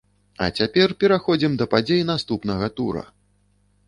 А цяпер пераходзім да падзей наступнага тура!